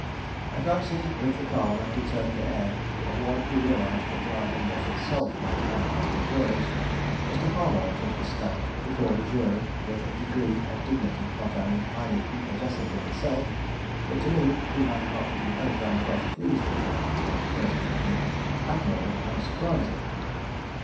Advancing with the calm and determined air of one who realized that life and death itself might hang upon his words, Mr. Harwell took his stand before the jury with a degree of dignity not only highly prepossessing in itself, but to me, who had not been over and above pleased with him in our first interview, admirable and surprising.